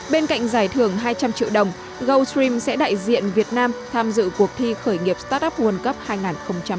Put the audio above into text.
bên cạnh giải thưởng hai trăm linh triệu đồng goldstream sẽ đại diện việt nam tham dự cuộc thi khởi nghiệp startup world cup hai nghìn hai mươi một tổ chức tại mỹ